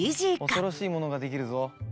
恐ろしいものができるぞ。